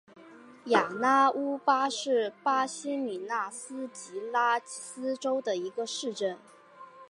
雅纳乌巴是巴西米纳斯吉拉斯州的一个市镇。